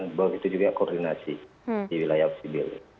dan bahwa itu juga koordinasi di wilayah oksibil